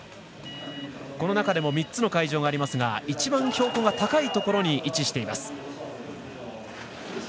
３つの会場がありますが一番標高が高いところに位置しています。